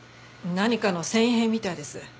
何かの繊維片みたいです。